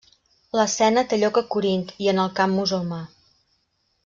L'escena té lloc a Corint i en el camp musulmà.